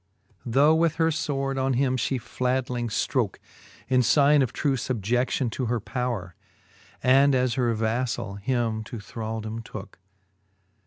Tho' with her fvvord on him fhe flatling ftrooke, In figne of true fubie(9:ion to her powre, And as her vaflall him to thraldome tooke.